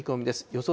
予想